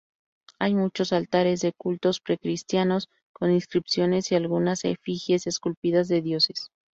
Hay muchos altares, de cultos pre-cristianos con inscripciones y algunas efigies esculpidas de dioses.